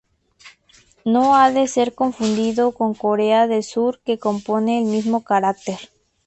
No ha de ser confundido con Corea del Sur que comparte el mismo carácter.